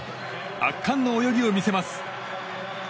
圧巻の泳ぎを見せます。